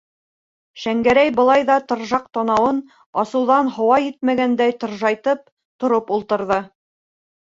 Шәңгәрәй былай ҙа тыржыҡ танауын асыуҙан һауа етмәгәндәй таржайтып, тороп ултырҙы.